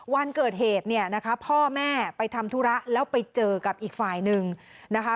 วันเกิดเหตุเนี่ยนะคะพ่อแม่ไปทำธุระแล้วไปเจอกับอีกฝ่ายหนึ่งนะคะ